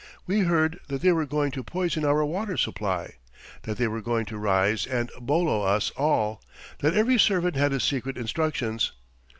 We heard that they were going to poison our water supply, that they were going to rise and bolo us all, that every servant had his secret instructions.